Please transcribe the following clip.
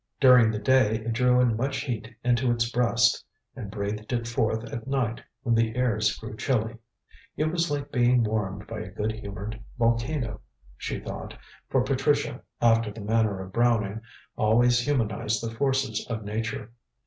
During the day it drew in much heat into its breast, and breathed it forth at night when the airs grew chilly. It was like being warmed by a good humoured volcano, she thought, for Patricia, after the manner of Browning, always humanized the forces of Nature.